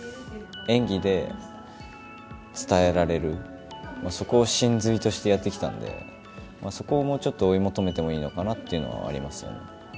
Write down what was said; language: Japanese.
演技で伝えられる、そこを神髄としてやってきたんで、そこをもうちょっと追い求めてもいいのかなっていうのはありますよね。